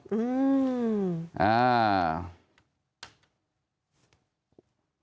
อืม